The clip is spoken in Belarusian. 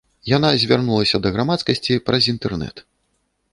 Яна звярнулася да грамадскасці праз інтэрнэт.